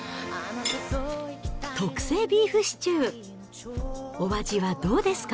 特製ビーフシチュー、お味はどうですか？